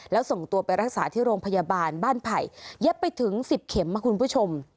แล้วส่งตัวไปรักษาที่โรงพยาบาลบ้านไผ่เย็บไปถึง๑๐เข็มนะคุณผู้ชม